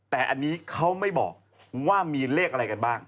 แต่อันนี้เขาไม่บอกว่ามีเลขอะไรกันบ้าง